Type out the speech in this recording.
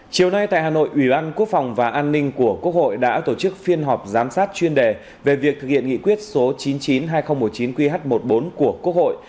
chiều nay tại hà nội ủy ban quốc phòng và an ninh của quốc hội đã tổ chức phiên họp giám sát chuyên đề về việc thực hiện nghị quyết số chín trăm chín mươi hai nghìn một mươi chín qh một mươi bốn của quốc hội